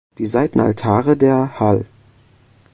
Die Seitenaltäre der hll.